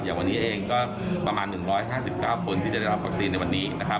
อย่างวันนี้เองก็ประมาณ๑๕๙คนที่จะได้รับวัคซีนในวันนี้นะครับ